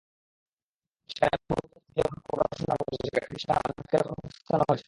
সেখানে বহু ছাত্রছাত্রী যেমন পড়াশোনা করছে, তেমনি সেখানে অনেকের কর্মসংস্থানও হয়েছে।